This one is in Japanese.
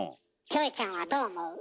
キョエちゃんはどう思う？